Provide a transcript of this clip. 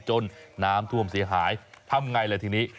น้ำท่วมเสียหายทำไงล่ะทีนี้